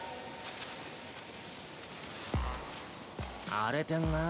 荒れてんなぁ。